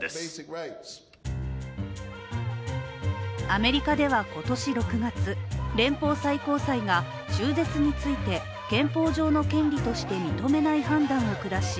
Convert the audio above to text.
アメリカでは今年６月、連邦最高裁が中絶について憲法上の権利として認めない判断を下し